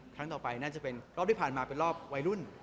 ครั้งต่อไปน่าจะเป็นรอบที่ผ่านมาเป็นรอบวัยรุ่น